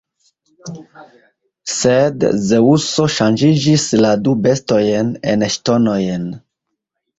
Sed Zeŭso ŝanĝiĝis la du bestojn en ŝtonojn.